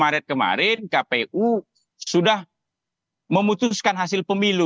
maret kemarin kpu sudah memutuskan hasil pemilu